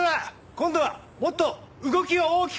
今度はもっと動きを大きく！